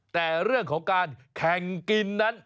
แต่เรื่องของการแข่งกินนั้น